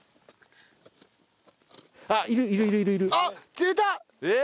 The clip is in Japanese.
釣れた！